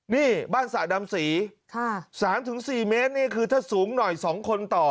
นี่บ้านสระดำศรี๓๔เมตรนี่คือถ้าสูงหน่อย๒คนต่อ